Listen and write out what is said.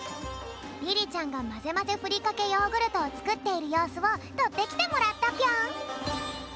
リリちゃんがまぜまぜふりかけヨーグルトをつくっているようすをとってきてもらったぴょん。